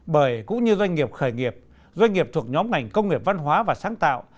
bởi cũng như doanh nghiệp khởi nghiệp doanh nghiệp thuộc nhóm ngành công nghiệp văn hóa và sáng tạo